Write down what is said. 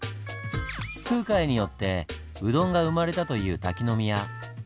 空海によってうどんが生まれたという滝宮。